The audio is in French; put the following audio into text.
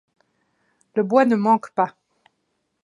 Le bois ne manque pas.